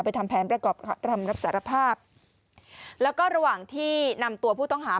ทำแผนประกอบคำรับสารภาพแล้วก็ระหว่างที่นำตัวผู้ต้องหา